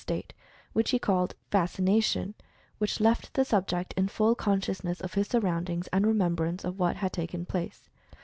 state," which he called "Fascination," which left the subject in full conscious ness of his surroundings, and remembrance of what had taken place.